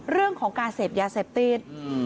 เรื่องของการเสพยาเสพติด